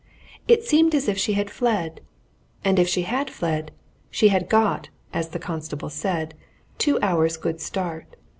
It seemed as if she had fled. And if she had fled, she had got, as the constable said, two hours' good start.